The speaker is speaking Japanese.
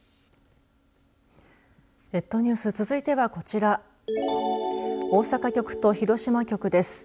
列島ニュース続いてはこちら大阪局と広島局です。